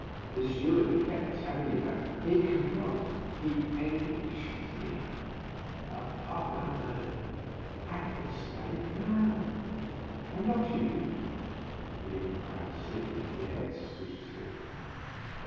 The steward kept telling me that he can not keep anything shnt here. Upon my word — I can smell it now, can not you?" he inquired, sniffing the air suspiciously.